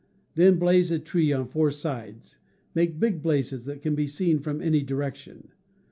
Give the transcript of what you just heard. Then blaze a tree on four sides — make big blazes that can be seen from any direction.